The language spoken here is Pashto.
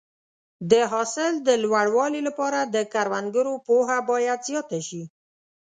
د حاصل د لوړوالي لپاره د کروندګرو پوهه باید زیاته شي.